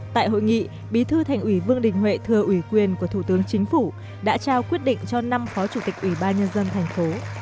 tại hội nghị bí thư thành ủy vương đình huệ thừa ủy quyền của thủ tướng chính phủ đã trao quyết định cho năm phó chủ tịch ủy ban nhân dân thành phố